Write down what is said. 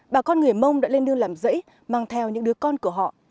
bà con người mông đã lên nương làm rẫy mang theo những đứa con của họ